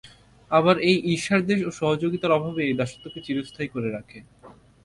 আবার এই ঈর্ষাদ্বেষ ও সহযোগিতার অভাবই এই দাসত্বকে চিরস্থায়ী করে রাখে।